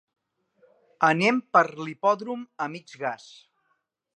Anem per l'hipòdrom a mig gas.